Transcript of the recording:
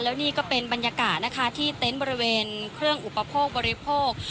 แล้วนี่ก็เป็นบรรยากาศนะคะที่เต็นต์บริเวณเครื่องอุปโภคบริโภค